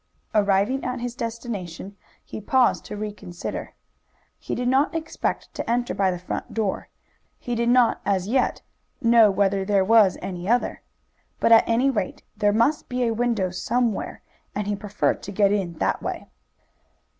Arriving at his destination, he paused to reconsider. He did not expect to enter by the front door. He did not as yet know whether there was any other. But at any rate there must be a window somewhere, and he preferred to get in that way.